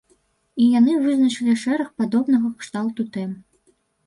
І яны вызначылі шэраг падобнага кшталту тэм.